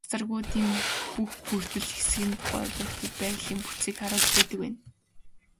Цацрагуудын бүх бүрдэл хэсэг нь тухайн объектын байрлалын бүтцийг харуулж байдаг байна.